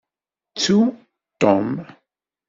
Ttu Tom!